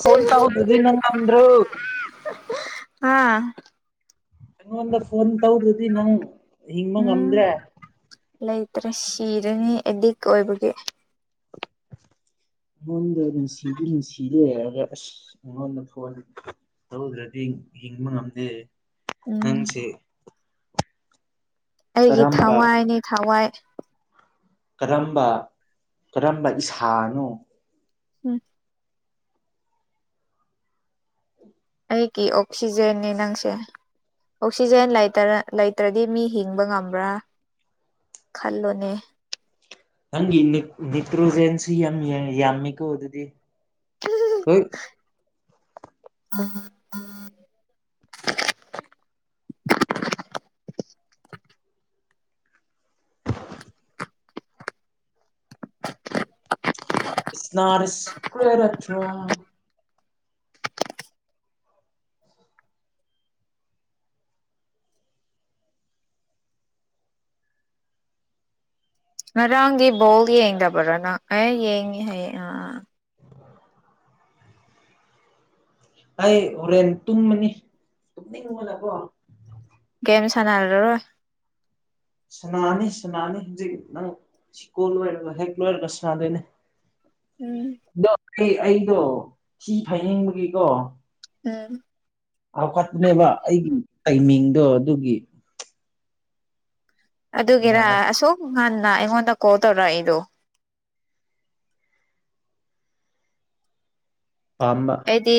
phone ꯇꯧꯗ꯭ꯔꯗꯤ ꯅꯪ ꯉꯝꯗ꯭ꯔꯣ ꯎꯝ ꯑꯩꯉꯣꯟꯗ ꯐꯣꯟ ꯇꯧꯗ꯭ꯔꯗꯤ ꯅꯪ ꯍꯤꯡꯕ ꯉꯝꯗ꯭ꯔꯦ ꯑꯁ ꯁꯤꯔꯦꯍꯦ ꯑꯦꯗꯤꯛ ꯑꯣꯏꯕꯒꯤ ꯅꯪꯗ ꯅꯨꯡꯁꯤꯗꯤ ꯅꯨꯡꯁꯤ ꯌꯦ ꯑꯒ ꯑꯁ ꯑꯩꯉꯣꯟꯗ ꯐꯣꯟ ꯇꯧꯗ꯭ꯔꯗꯤ ꯍꯤꯡꯕ ꯉꯝꯗꯦ ꯎꯝ ꯅꯪꯁꯦ ꯑꯩꯒꯤ ꯀꯔꯝꯕ ꯊꯋꯥꯏꯅꯤ ꯊꯋꯥꯏ ꯀꯔꯝꯕ ꯀꯔꯝꯕ ꯏꯁꯥꯅꯣ ꯎꯝ ꯑꯩꯒꯤ ꯑꯣꯛꯁꯤꯖꯦꯟꯅꯤ ꯅꯪꯁꯦ ꯑꯣꯛꯁꯤꯖꯦꯟ ꯂꯩꯇ꯭ꯔꯗꯤ ꯃꯤ ꯍꯤꯡꯕ ꯉꯝꯕ꯭ꯔꯥ ꯈꯜꯂꯣꯅꯦ ꯅꯪꯒꯤ ꯅꯤ ꯅꯤꯇ꯭ꯔꯣꯖꯦꯟꯁꯤ ꯌꯥꯝ ꯌꯥꯝꯃꯤꯀꯣ ꯑꯗꯨꯗꯤ ꯍꯨ [inaudible] [inaudible] ꯉꯔꯥꯡꯗꯤ ꯕꯣꯜ ꯌꯦꯡꯗꯕ꯭ꯔꯥꯅꯪ ꯑꯦ ꯌꯦꯡꯉꯤ ꯍꯥꯏꯌꯦ ꯑꯥ ꯑꯥ ꯑꯩ ꯍꯣꯔꯦꯟ ꯇꯨꯝꯃꯅꯤ ꯇꯨꯝꯅꯤꯡꯕꯅꯀꯣ ꯀꯦꯝ ꯁꯥꯟꯅꯔꯔꯣꯏ ꯁꯅꯥꯔꯅꯤ ꯁꯅꯥꯅꯤ ꯍꯧꯖꯤꯛ ꯅꯪ ꯁꯤꯀꯣꯜ ꯂꯣꯏꯔꯒ ꯍꯦꯛ ꯂꯣꯏꯔꯒ ꯁꯅꯥꯅꯤ ꯎꯝ ꯑꯗꯣ ꯑꯩ ꯑꯩꯗꯣ ꯊꯤ ꯐꯥꯏꯅꯤꯡꯕꯒꯤꯀꯣ ꯎꯝ ꯆꯥꯎꯈꯠꯄꯅꯦꯕ ꯑꯩꯒꯤ ꯇꯥꯏꯃꯤꯡꯗꯣ ꯑꯗꯨꯒꯤ ꯑꯗꯨꯒꯤꯔ ꯌꯥ ꯑꯁꯨꯛ ꯉꯟꯅ ꯑꯩꯉꯣꯟꯗ ꯀꯣꯜ ꯇꯧꯔꯛꯏꯗꯣ ꯄꯥꯝꯕ ꯑꯩꯗꯤ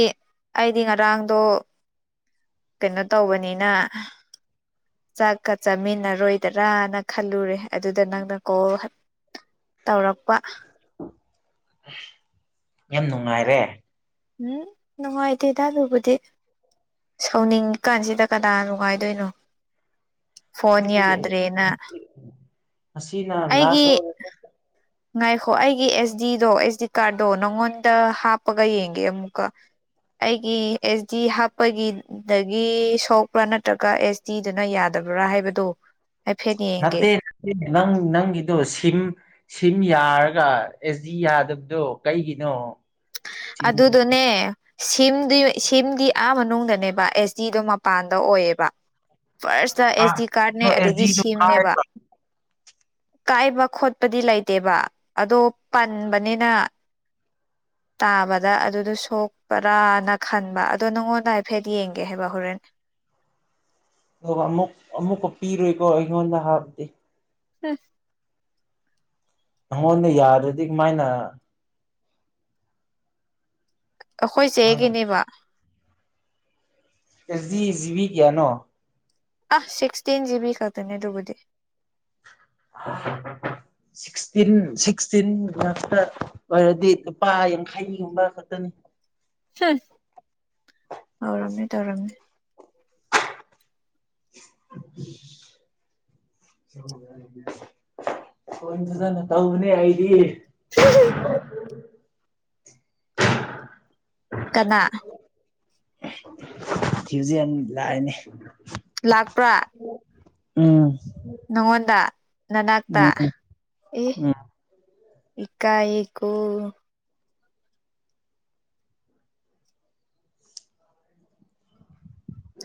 ꯑꯩꯗꯤ ꯉꯔꯥꯡꯗꯣ ꯀꯩꯅꯣ ꯇꯧꯕꯅꯤꯅ ꯆꯥꯛꯀ ꯆꯥꯃꯤꯟꯅꯔꯣꯏꯗꯔꯥꯅ ꯈꯜꯂꯨꯔꯦ ꯑꯗꯨꯗ ꯅꯪꯅ ꯀꯣꯜ ꯇꯧꯔꯛꯄ ꯌꯥꯝ ꯅꯨꯡꯉꯥꯏꯔꯦ ꯎꯝ ꯅꯨꯡꯉꯥꯏꯇꯦꯗ ꯑꯗꯨꯕꯨꯗꯤ ꯁꯥꯎꯅꯤꯡꯉꯀꯥꯟꯁꯤꯗ ꯀꯗꯥ ꯅꯨꯡꯉꯥꯏꯗꯣꯏꯅꯣ ꯐꯣꯟ ꯌꯥꯗ꯭ꯔꯦꯅ ꯑꯁꯤꯅ ꯂꯥꯁ ꯑꯩꯒꯤ ꯑꯣꯏꯔꯒꯦ ꯉꯥꯏꯈꯣ ꯑꯩꯒꯤ ꯑꯦꯁ ꯗꯤꯗꯣ ꯑꯦꯁ ꯗꯤ ꯀꯥꯔꯗꯣ ꯅꯪꯉꯣꯟꯗ ꯍꯥꯞꯄꯒ ꯌꯦꯡꯒꯦ ꯑꯃꯨꯛꯀ ꯑꯩꯒꯤ ꯑꯦꯁ ꯗꯤ ꯍꯥꯞꯄꯒꯤ ꯗꯒꯤ ꯁꯣꯛꯄ꯭ꯔꯥ ꯅꯠꯇ꯭ꯔꯒ ꯑꯦꯁ ꯗꯤꯗꯨꯅ ꯌꯥꯗꯕ ꯐꯠꯇꯕ꯭ꯔꯥ ꯍꯥꯏꯕꯗꯣ ꯍꯥꯏꯐꯦꯠ ꯌꯦꯡꯒꯦ ꯅꯠꯇꯦ ꯅꯪ ꯅꯪꯒꯤꯗꯣ ꯁꯤꯝ ꯁꯤꯝ ꯌꯥꯔꯒ ꯑꯦꯁ ꯗꯤ ꯌꯥꯗꯕꯗꯣ ꯀꯩꯒꯤꯅꯣ ꯑꯗꯨꯗꯨꯅꯦ ꯁꯤꯝꯗꯤ ꯁꯤꯝꯗꯤ ꯑꯥ ꯃꯅꯨꯡꯗꯅꯦꯕ ꯑꯦꯁ ꯗꯤꯗꯣ ꯃꯄꯥꯟꯗ ꯑꯣꯏꯌꯦꯕ ꯐꯥꯔꯁꯇ ꯑꯦꯁ ꯗꯤ ꯀꯥꯔꯠꯅꯦ ꯑꯗꯣ ꯑꯦꯁ ꯑꯗꯒꯤ ꯗꯤꯗꯣ ꯁꯤꯝꯅꯦꯕ ꯀꯥꯏꯕ ꯈꯣꯠꯄꯗꯤ ꯂꯩꯇꯦꯕ ꯑꯗꯣ ꯄꯟꯕꯅꯤꯅ [inaudible] ꯇꯥꯕꯗ ꯑꯗꯨꯗ ꯁꯣꯛꯄ꯭ꯔꯅ ꯈꯟꯕ ꯑꯗꯣ ꯅꯉꯣꯟꯗ ꯍꯥꯏꯐꯦꯠ ꯌꯦꯡꯒꯦ ꯍꯥꯏꯕ ꯍꯣꯔꯦꯟ [inaudible] ꯑꯣ ꯑꯃꯨꯛ ꯑꯃꯨꯀ ꯄꯤꯔꯣꯏ ꯀꯣ ꯑꯩꯉꯣꯟꯗ ꯍꯥꯞꯂꯗꯤ ꯍꯨꯡ ꯑꯩꯉꯣꯟꯗ ꯌꯥꯗ꯭ꯔꯗꯤ ꯀꯃꯥꯏꯅ ꯑꯩꯈꯣꯏ ꯅꯪ ꯆꯦꯒꯤꯅꯦꯕ ꯑꯦꯁ ꯗꯤ ꯖꯤꯕꯤ ꯀ꯭ꯌꯥꯅꯣ ꯑ ꯁꯤꯛꯁꯇꯤꯟ ꯖꯤꯕꯤ ꯈꯛꯇꯅꯦ ꯑꯗꯨꯕꯨꯗꯤ [inaudible] ꯁꯤꯛꯁꯇꯤꯟ ꯁꯤꯛꯁꯇꯤꯟ ꯉꯥꯛꯇ ꯑꯣꯏꯔꯗꯤ ꯂꯨꯄꯥ ꯌꯥꯡꯈꯩꯒꯤꯒꯨꯝꯕ ꯈꯛꯇꯅꯤ ꯍ ꯇꯧꯔꯝꯃꯦ ꯇꯧꯔꯝꯃꯦ [inaudible] [unintelligible] ꯍꯣꯏ ꯐꯖꯟ ꯇꯧꯕꯅꯦ ꯑꯩꯗꯤ [inaudible] ꯀꯅꯥ ꯑꯦ ꯇ꯭ꯌꯨꯖꯦꯟ ꯂꯥꯛꯑꯦꯅꯦ ꯂꯥꯛꯄ꯭ꯔꯥ ꯎꯝ ꯅꯪꯉꯣꯟꯗ ꯅꯅꯥꯛꯇ ꯎꯝ ꯎꯝ ꯑꯦ ꯎꯝ ꯏꯀꯥꯢꯌꯦꯀꯣ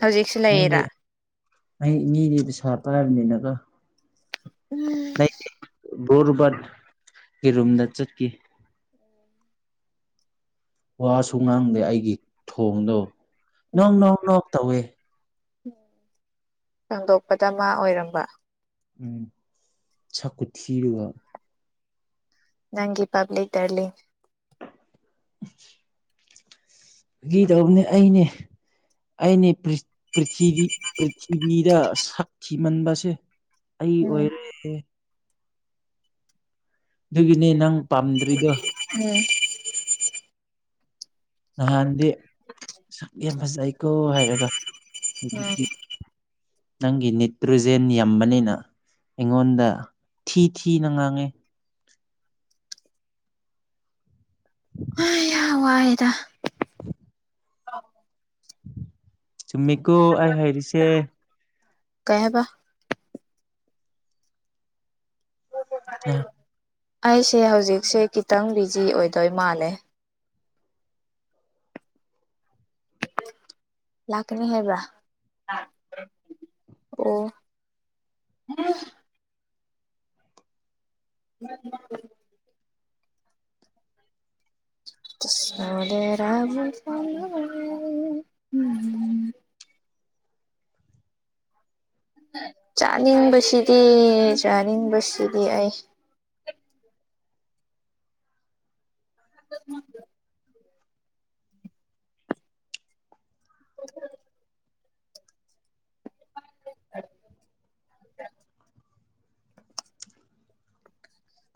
ꯍꯧꯖꯤꯛꯁꯨ ꯃꯤꯗꯤ ꯂꯩꯔ ꯑꯩ ꯃꯤꯒꯤ ꯄꯩꯁꯥ ꯄꯥꯏꯔꯤꯝꯅꯤꯅꯀꯣ [unintelligible] ꯎꯔꯨꯕꯠꯀꯤ ꯔꯨꯝꯗ ꯆꯠꯀꯤ ꯋꯥꯁꯨ ꯉꯥꯡꯗꯦ ꯑꯩꯒꯤ ꯊꯣꯡꯗꯣ ꯅꯣꯡ ꯎꯝ ꯅꯣꯡ ꯅꯣꯛ ꯇꯧꯋꯦ ꯍꯥꯡꯗꯣꯛꯄꯗ ꯃꯥ ꯑꯣꯏꯔꯝꯕ ꯎꯝ ꯁꯛ ꯈꯨꯊꯤꯗꯨꯒ ꯅꯪꯒꯤ ꯄꯕ꯭ꯂꯤꯛ ꯗꯔꯂꯤ [unintelligible] ꯒꯤ ꯗꯧꯕꯅꯦ ꯑꯩꯅꯦ ꯑꯩꯅꯦ ꯄ꯭ꯔꯤꯊꯤ ꯄ꯭ꯔꯤꯊꯤꯕꯤꯗ ꯁꯥꯊꯤꯃꯟꯕꯁꯦ ꯑꯩ ꯎꯝ ꯑꯣꯏꯔꯦ ꯑꯗꯨꯒꯤꯅꯦ ꯅꯪ ꯄꯥꯝꯗ꯭ꯔꯤꯗꯣ [inaudible] ꯅꯍꯥꯟꯗꯤ ꯁꯛ ꯌꯥꯝ ꯐꯖꯩ ꯇꯣ ꯍꯥꯏꯔꯒ ꯎꯝ ꯍꯨꯖꯤꯛꯇꯤ ꯅꯪꯒꯤ ꯅꯤꯠꯇ꯭ꯔꯣꯖꯦꯟ ꯌꯥꯝꯕꯅꯤꯅ ꯑꯩꯉꯣꯟꯗ ꯊꯤ ꯊꯤꯅ ꯉꯥꯡꯉꯦ ꯍꯩ ꯍꯥ ꯋꯥꯏꯌꯦꯗ [inaudible] ꯆꯨꯝꯃꯤꯀꯣ ꯑꯩ ꯍꯥꯏꯔꯤꯁꯦ ꯀꯩ ꯍꯥꯏꯕ ꯌꯥ ꯑꯩꯁꯦ ꯍꯧꯖꯤꯛꯁꯦ ꯈꯤꯇꯪ ꯕꯤꯖꯤ ꯑꯣꯏꯗꯣꯏ ꯃꯥꯜꯂꯦ ꯂꯥꯛꯀꯅꯤ ꯍꯥꯏꯕ꯭ꯔ ꯑꯣ [inaudible] [unintelligible] [unintelligible] ꯆꯥꯅꯤꯡꯕꯁꯤꯗꯤ ꯆꯥꯅꯤꯡꯕꯁꯤꯗꯤ ꯑꯩ [unintelligible]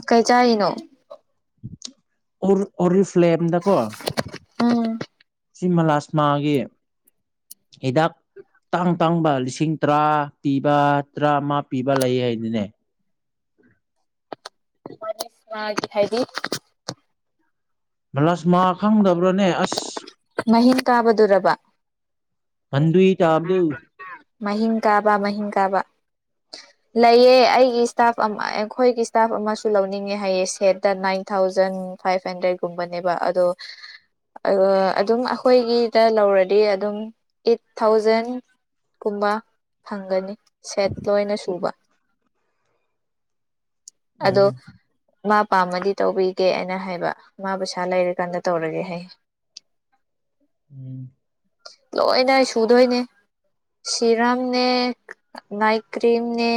ꯀꯩ ꯆꯥꯏꯅꯣ ꯑꯣꯔ ꯑꯣꯔꯤꯁ ꯐ꯭ꯂꯦꯝꯗꯀꯣ ꯎꯝ ꯁꯤꯃꯂꯥꯁꯃꯥꯒꯤ ꯍꯤꯗꯥꯛ ꯇꯥꯡ ꯇꯥꯡꯕ ꯂꯤꯁꯤꯡ ꯇꯔꯥ ꯄꯤꯕ ꯇꯔꯥꯃ ꯄꯤꯕ ꯂꯩꯌꯦ ꯍꯥꯏꯅꯤꯅꯦ [unintelligible] ꯍꯥꯏꯗꯤ ꯔꯁ ꯃꯥ ꯈꯪꯗꯕ꯭ꯔꯥꯅꯦ ꯑꯁ ꯃꯍꯤꯡ ꯀꯥꯕꯗꯨꯔꯕ ꯍꯟꯗꯨꯏ ꯇꯥꯕꯗꯨ ꯃꯍꯤꯡ ꯀꯥꯕ ꯃꯍꯤꯡ ꯀꯥꯕ ꯂꯩꯌꯦ ꯑꯩꯒꯤ ꯏꯁꯇꯥꯐ ꯑꯃ ꯑꯩꯈꯣꯏꯒꯤ ꯏꯁꯇꯥꯐ ꯑꯃꯁꯨ ꯂꯧꯅꯤꯡꯉꯦ ꯍꯥꯏꯌꯦ ꯁꯦꯠꯇ ꯅꯥꯏꯟ ꯊꯥꯎꯖꯟ ꯐꯥꯏꯚ ꯍꯟꯗ꯭ꯔꯦꯗꯀꯨꯝꯕꯅꯦꯕ ꯑꯗꯣ ꯑ ꯑꯗꯨꯝ ꯑꯩꯈꯣꯏꯒꯤꯗ ꯂꯧꯔꯗꯤ ꯑꯗꯨꯝ ꯑꯦꯠ ꯊꯥꯎꯖꯟ ꯀꯨꯝꯕ ꯐꯪꯒꯅꯤ ꯁꯦꯠ ꯂꯣꯏꯅ ꯁꯨꯕ ꯑꯗꯣ ꯎꯝ ꯃꯥ ꯄꯥꯝꯃꯗꯤ ꯇꯧꯕꯤꯒꯦ ꯑꯩꯅ ꯍꯥꯏꯕ ꯃꯥ ꯄꯩꯁꯥ ꯂꯩꯔꯀꯥꯟꯗ ꯇꯧꯔꯒꯦ ꯍꯥꯏꯌꯦ ꯎꯝ ꯂꯣꯏꯅ ꯁꯨꯗꯣꯏꯅꯦ ꯁꯤꯔꯝꯅꯦ ꯅꯥꯏꯠ ꯀ꯭ꯔꯤꯝꯅꯦ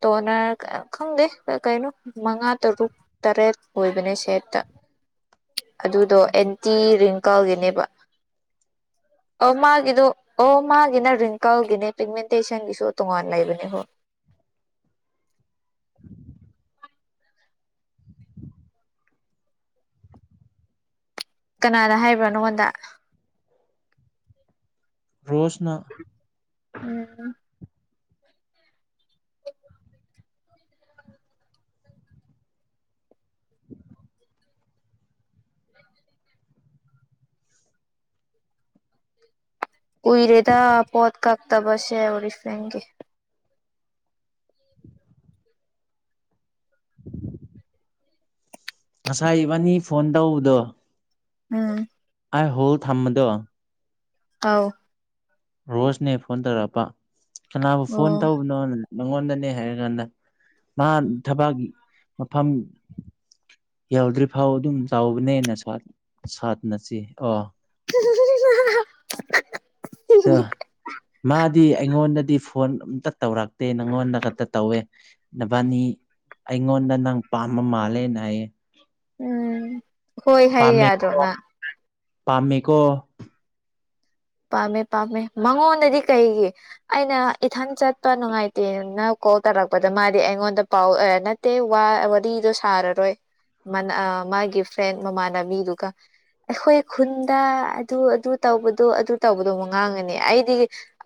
ꯇꯣꯅꯔ ꯈꯪꯗꯦ ꯀꯩꯅꯣ ꯃꯉꯥ ꯇꯔꯨꯛ ꯇꯔꯦꯠ ꯑꯣꯏꯕꯅꯦ ꯁꯦꯠꯇ ꯑꯗꯨꯗꯣ ꯑꯦꯟꯇꯤ ꯔꯤꯡꯀꯜꯒꯤꯅꯦꯕ ꯑꯣ ꯃꯥꯒꯤꯗꯣ ꯑꯣ ꯃꯥꯒꯤꯅꯦ ꯔꯤꯡꯀꯜꯒꯤꯅꯦ ꯄꯤꯛꯃꯦꯟꯇꯦꯁꯟꯒꯤꯁꯨ ꯇꯣꯉꯥꯟ ꯂꯩꯕꯅꯦ ꯍꯣꯏ ꯀꯅꯥꯅ ꯍꯥꯏꯕ꯭ꯔꯥ ꯅꯪꯉꯣꯟꯗ ꯔꯣꯁꯅ ꯎꯝ ꯀꯨꯏꯔꯦꯗ ꯄꯣꯠ ꯀꯥꯥꯛꯇꯥꯕꯁꯦ ꯑꯣꯏꯔꯤ ꯐ꯭ꯔꯦꯝꯒꯤ ꯉꯁꯥꯏ ꯏꯕꯥꯅꯤ ꯐꯣꯟ ꯇꯧꯕꯗꯣ ꯎꯝ ꯃꯥꯏ ꯍꯣꯜ ꯊꯝꯕꯗꯣ ꯑꯥꯎ ꯕ꯭ꯔꯣꯁꯅꯦ ꯐꯣꯟ ꯇꯧꯔꯛꯄ ꯀꯅꯥꯕꯨ ꯐꯣꯟ ꯑꯣ ꯇꯧꯕꯅꯣ ꯅꯉꯣꯟꯗꯅꯦ ꯍꯥꯏꯔꯀꯥꯟꯗ ꯃꯥ ꯊꯕꯛ ꯃꯐꯝ ꯌꯥꯎꯗ꯭ꯔꯤ ꯐꯥꯎ ꯑꯗꯨꯝ ꯇꯧꯕꯅꯦꯅ ꯁꯥꯅ ꯁꯥꯠꯅꯁꯤ ꯑ ꯍꯨ ꯍꯨ ꯍꯨ ꯍꯥ ꯍꯥ ꯍꯥ ꯑꯗꯣ ꯃꯥ ꯗꯤ ꯑꯩꯉꯣꯟꯗꯗꯤ ꯐꯣꯟ ꯑꯝꯇ ꯇꯧꯔꯛꯇꯦ ꯅꯪꯉꯣꯟꯗ ꯈꯛꯇ ꯇꯧꯋꯦ ꯅꯕꯥꯅꯤ ꯑꯩꯉꯣꯟꯗ ꯅꯪ ꯄꯥꯝꯕ ꯃꯥꯜꯂꯦꯅ ꯍꯥꯢꯌꯦ ꯎꯝ ꯍꯣꯢ ꯍꯥꯢ ꯌꯥꯗ꯭ꯔꯣ ꯅ ꯄꯥꯝꯃꯤꯀꯣ ꯄꯥꯝꯃꯦ ꯄꯥꯝꯃꯦ ꯃꯉꯣꯟꯗꯗꯤ ꯀꯩꯒꯤ ꯑꯩꯅ ꯏꯊꯟ ꯆꯠꯄ ꯅꯨꯡꯉꯥꯏꯇꯦꯅ ꯀꯣꯜ ꯇꯥꯔꯛꯄꯗ ꯃꯥꯗꯤ ꯑꯩꯒꯣꯟꯗ ꯄꯥꯎ ꯑꯦ ꯅꯠꯇꯦ ꯋꯥ ꯋꯔꯤꯗꯣ ꯁꯥꯔꯔꯣꯢ ꯃꯥꯅ ꯑꯥ ꯃꯥꯒꯤ ꯐ꯭ꯔꯦꯟ ꯃꯃꯥꯟꯅꯕꯤꯗꯨꯒ ꯑꯩꯈꯣꯏ ꯈꯨꯟꯗ ꯑꯗꯨ ꯑꯗꯨ ꯇꯧꯕꯗꯣ ꯑꯗꯨ ꯇꯧꯕꯗꯣ ꯃ ꯉꯥꯡꯉꯅꯤ ꯑꯩꯗꯤ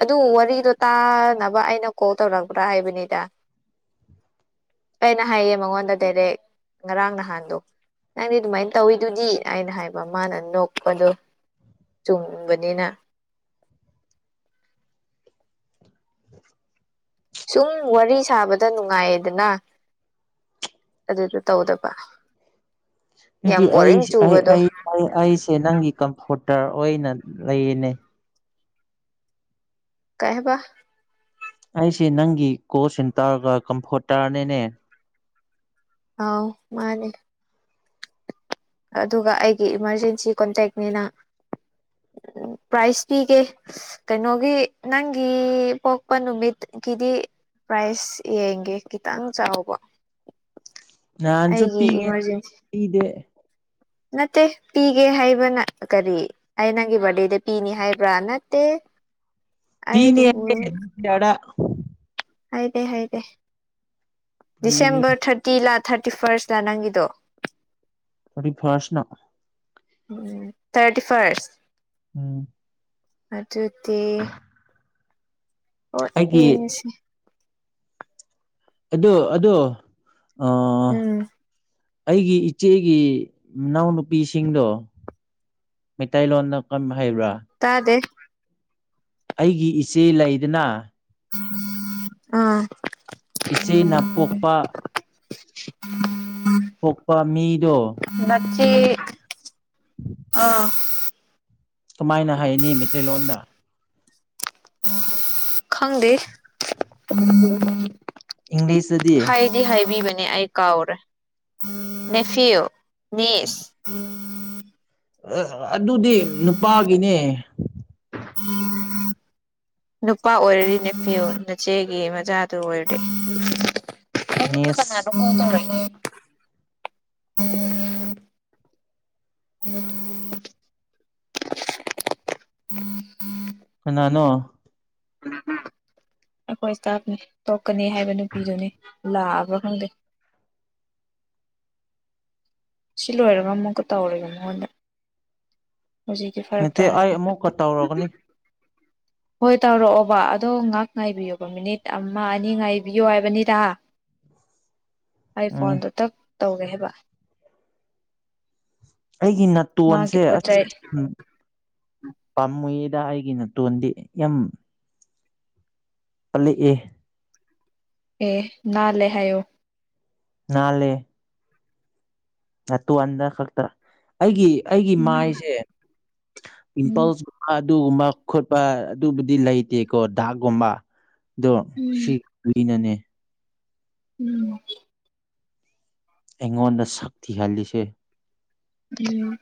ꯑꯗꯨ ꯋꯥꯔꯤꯗꯣ ꯇꯥꯅꯕ ꯑꯩꯅ ꯀꯣꯜ ꯇꯧꯔꯛꯄ꯭ꯔꯥ ꯍꯥꯏꯕꯅꯤꯗ ꯑꯩꯅ ꯍꯥꯏꯌꯦ ꯃꯉꯣꯟꯗ ꯗꯥꯏꯔꯦꯛ ꯉꯔꯥꯡ ꯅꯍꯥꯟꯗꯣ ꯅꯪꯗꯤ ꯑꯗꯨꯃꯥꯏꯅ ꯇꯧꯋꯤꯗꯨꯗꯤ ꯑꯩꯅ ꯍꯥꯏꯕ ꯃꯥꯅ ꯅꯣꯛꯄꯗꯣ ꯆꯨꯝꯕꯅꯤꯅ ꯁꯨꯝ ꯋꯥꯔꯤ ꯁꯥꯕꯗ ꯅꯨꯡꯉꯥꯏꯌꯦꯗꯅ ꯑꯗꯨꯗꯣ ꯇꯧꯗꯕ ꯑꯗꯨꯗꯤ ꯌꯥꯝ ꯕꯣꯔꯤꯡ ꯑꯩꯁ ꯑꯩ ꯆꯨꯕꯗꯣ ꯑꯩ ꯑꯩ ꯑꯩꯁꯦ ꯅꯪꯒꯤ ꯀꯝꯐꯣꯔꯇꯔ ꯑꯣꯏꯅ ꯂꯩꯌꯦꯅꯦ ꯀꯩ ꯍꯥꯏꯕ ꯑꯩꯁꯤ ꯅꯪꯒꯤ ꯀꯣꯜ ꯁꯦꯟꯇꯔꯒ ꯀꯝꯐꯣꯔꯇꯔꯅꯤꯅꯦ ꯑꯥꯎ ꯃꯥꯅꯤ ꯑꯗꯨꯒ ꯑꯩꯒꯤ ꯏꯃꯥꯔꯖꯦꯟꯁꯤ ꯀꯣꯟꯇꯦꯛꯅꯤꯅ ꯄ꯭ꯔꯥꯏꯖ ꯄꯤꯒꯦ ꯀꯩꯅꯣꯒꯤ ꯅꯪꯒꯤ ꯄꯣꯛꯄ ꯅꯨꯃꯤꯠ ꯀꯤꯗꯤ ꯄ꯭ꯔꯥꯏꯁ ꯌꯦꯡꯒꯦ ꯈꯤꯇꯪ ꯆꯥꯎꯕ ꯅꯍꯥꯟꯁꯨ ꯑꯩꯒꯤ ꯄꯤꯒꯦ ꯏꯃꯥꯔꯖꯦꯟꯁꯤ ꯄꯤꯗꯦ ꯅꯠꯇꯦ ꯄꯤꯒꯦ ꯍꯥꯏꯕꯅ ꯀꯔꯤ ꯑꯩ ꯅꯪꯒꯤ ꯕꯥꯔꯗꯦꯗ ꯄꯤꯅꯤ ꯍꯥꯏꯕ꯭ꯔꯥ ꯅꯠꯇꯦ [inaudible] ꯄꯤꯅꯦ ꯑꯗꯨꯕꯨ ꯅꯦꯛꯁ ꯌꯥꯔꯗ ꯍꯥꯏꯗꯦ ꯍꯥꯏꯗꯦ ꯄꯤꯅꯤ ꯗꯤꯁꯦꯝꯕ꯭ꯔ ꯊꯥꯔꯇꯤ ꯂꯥꯛ ꯊꯥꯔꯇꯤ ꯐꯥꯔꯁꯇ ꯅꯪꯒꯤꯗꯣ ꯊꯥꯔꯇꯤ ꯐ꯭ꯔꯁ ꯅ ꯊꯥꯔꯇꯤ ꯐꯥꯔꯁ ꯎꯝ ꯑꯗꯨꯗꯤ ꯍꯣꯢꯠ ꯑꯩꯒꯤ ꯌꯦꯡꯉꯁꯤ ꯑꯗꯨ ꯑꯗꯨ ꯑ ꯎꯝ ꯑꯩꯒꯤ ꯏꯆꯦꯒꯤ ꯏꯅꯥꯎꯅꯨꯄꯤꯁꯤꯡꯗꯣ ꯃꯩꯇꯩ ꯂꯣꯟꯗ ꯀꯃ ꯇꯥꯗꯦ ꯑꯩꯒꯤ ꯏꯆꯦ ꯂꯩꯗꯅ ꯑꯥ ꯏꯆꯦ ꯅ ꯄꯣꯛꯄ ꯄꯣꯛꯄ ꯃꯤꯗꯣ [inaudible] ꯅꯆꯦ ꯑ ꯀꯃꯥꯏꯅ ꯍꯥꯢꯅꯤ ꯃꯩꯇꯩꯂꯣꯟꯗ ꯈꯪꯗꯦ ꯏꯪꯂꯤꯁꯇꯗꯤ ꯅꯦ ꯑꯩ ꯀꯥꯎꯔꯦ ꯅꯦꯐꯤꯌꯨ ꯅꯤꯁ ꯑꯦ ꯑꯗꯨꯗꯤ ꯅꯨꯄꯥꯒꯤꯅꯦ [inaudible] ꯅꯨꯄ ꯑꯣꯢꯔꯗꯤ ꯅꯦꯐꯤꯌꯨ ꯅꯆꯦꯒꯤ ꯃꯆꯥꯗꯨ ꯑꯣꯢꯔꯗꯤ ꯅꯉꯣꯟꯗ ꯅꯦꯁ ꯀꯅꯥꯅꯣ ꯀꯣꯜ ꯇꯧꯔꯛꯏ [inaudible] ꯀꯅꯥꯅꯣ ꯑꯩꯈꯣꯏ ꯏꯁꯇꯥꯞꯅꯤ ꯇꯣꯛꯀꯅꯤ ꯍꯥꯏꯕ ꯅꯨꯄꯤꯗꯨꯅꯤ ꯂꯥꯛꯑꯕ꯭ꯔꯥ ꯈꯪꯗꯦ [inaudible] ꯁꯤ ꯂꯣꯏꯔꯒ ꯑꯃꯨꯛꯀ ꯇꯧꯔꯒꯦ ꯃꯉꯣꯟꯗ ꯍꯧꯖꯤꯛꯇꯤ ꯐꯔꯛ ꯅꯠꯇꯦ ꯇꯥꯔꯦ ꯑꯩ ꯄꯥꯏꯈꯠꯄ ꯑꯃꯨꯛꯀ ꯇꯧꯔꯛꯒꯅꯤ ꯍꯣꯏ ꯇꯧꯔꯛꯑꯣꯕ ꯑꯗꯣ ꯉꯥꯏꯍꯥꯛ ꯉꯥꯏꯕꯤꯌꯣꯕ ꯃꯤꯅꯤꯠ ꯑꯃ ꯑꯅꯤ ꯉꯥꯢꯕꯤꯌꯣ ꯍꯥꯢꯕꯅꯤꯗ ꯑꯩ ꯎꯝ ꯐꯣꯟꯗꯣ ꯇꯞ ꯇꯧꯔꯛꯑꯕ ꯑꯩꯒꯤ ꯅꯥꯇꯣꯟꯁꯦ ꯑꯁ ꯄꯥꯝꯃꯨꯌꯦ ꯗꯥ ꯑꯩꯒꯤ ꯇꯣꯟꯗꯤ ꯌꯥꯝ ꯀꯜꯂꯛꯑꯦ ꯑꯦ ꯅꯥꯜꯂꯦ ꯍꯥꯏꯌꯣ ꯅꯜꯂꯦ ꯅꯇꯣꯜꯗꯈꯛꯇ ꯑꯩꯒꯤ ꯑꯩꯒꯤ ꯎꯝ ꯃꯥꯏꯁꯦ ꯎꯝ ꯎꯝ ꯄꯤꯝꯄꯜꯁ [unintelligible] ꯗꯨꯒꯨꯝꯕ ꯈꯣꯠꯄ ꯑꯗꯨꯕꯨꯗꯤ ꯂꯩꯇꯦꯀꯣ ꯗꯥꯛꯒꯨꯝꯕ ꯑꯗꯣ ꯁꯤ ꯀꯨꯏꯅꯅꯦ ꯎꯝ ꯑꯩꯉꯣꯟꯗ ꯁꯛ ꯊꯤꯍꯜꯂꯤꯁꯦ ꯎꯝ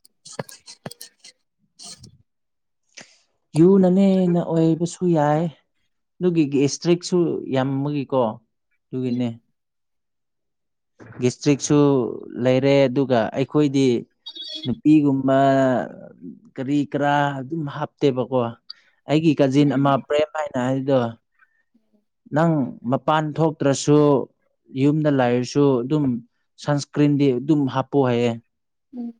[inaudible] ꯌꯨꯅꯅꯦ ꯅ ꯑꯣꯏꯕꯁꯨ ꯌꯥꯏ ꯑꯗꯨꯒꯤ ꯒꯤ ꯁ꯭ꯇ꯭ꯔꯤꯛꯁꯨ ꯌꯥꯝꯃꯒꯤꯀꯣ ꯑꯗꯨꯒꯤꯅꯦ ꯒꯤꯁꯇ꯭ꯔꯤꯛꯁꯨ ꯂꯩꯔꯦ ꯑꯗꯨꯒ ꯑꯩꯈꯣꯏꯗꯤ ꯅꯨꯄꯤꯒꯨꯝ ꯕ ꯀꯔꯤ ꯀ꯭ꯔꯥ ꯑꯗꯨꯝ ꯍꯥꯞꯇꯦꯕꯀꯣ ꯑꯩꯒꯤ ꯀꯖꯤꯟ ꯑꯃ ꯄ꯭ꯔꯦꯝ ꯍꯥꯏꯅ ꯍꯥꯏꯗꯣ ꯅꯪ ꯃꯄꯥꯟ ꯊꯣꯛꯇ꯭ꯔꯁꯨ ꯌꯨꯝꯗ ꯂꯥꯏꯔꯁꯨ ꯑꯗꯨꯝ ꯁꯟꯁꯀ꯭ꯔꯤꯟꯗꯤ ꯑꯗꯨꯝ ꯍꯥꯞꯄꯣ ꯍꯥꯏꯌꯦ ꯎꯝ